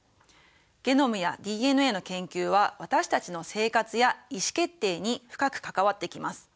ゲノムやＤＮＡの研究は私たちの生活や意思決定に深く関わってきます。